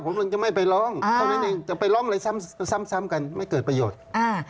ฉันจะไม่ไปร้องจะไปร้องอะไรซ้ำกันไม่เกิดประโยชน์